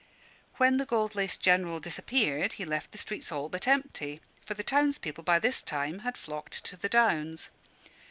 When the gold laced General disappeared, he left the streets all but empty; for the townspeople by this time had flocked to the Downs.